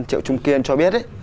triệu trung kiên cho biết